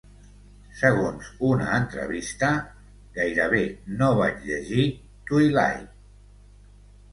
Segons una entrevista, "Gairebé no vaig llegir "Twilight"".